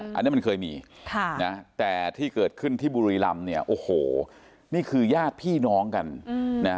อันนี้มันเคยมีค่ะนะแต่ที่เกิดขึ้นที่บุรีรำเนี่ยโอ้โหนี่คือญาติพี่น้องกันนะ